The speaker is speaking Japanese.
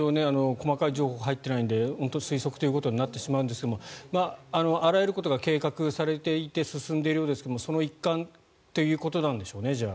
細かい情報が入ってないので本当に推測ということになってしまうんですがあらゆることが計画されていて進んでいるようですがその一環ということなんでしょうね。